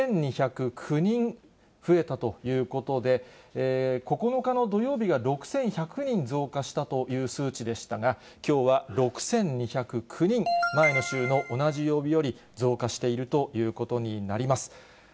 ６２０９人増えたということで、９日の土曜日が６１００人増加したという数値でしたが、きょうは６２０９人、前の週の同じ曜日より増加しているということになります。